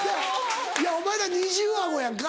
いやお前らニジュー顎やんか。